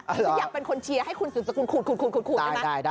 ฉันอยากเป็นคนเชียร์ให้คุณสุรถี้คูดใช่ไหม